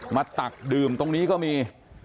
ตักดื่มตรงนี้ก็มี